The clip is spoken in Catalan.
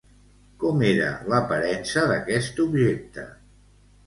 Com era l'aparença d'aquest objecte?